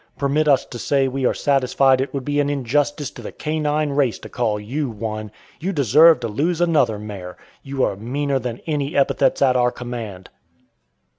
Permit us to say we are satisfied it would be an injustice to the canine race to call you one. You deserve to lose another mare. You are meaner than any epithets at our command."